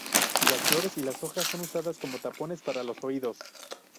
Las flores y las hojas son usadas como tapones para los oídos.